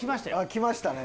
来ましたね。